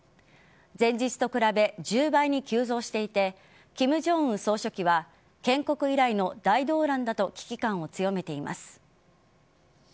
前日と比べ１０倍に急増していて金正恩総書記は建国以来の大動乱だと危機感を強めています。